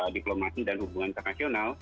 diplomasi dan hubungan internasional